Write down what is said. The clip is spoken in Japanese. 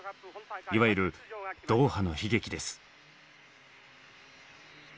いわゆる「ドーハの悲劇」です。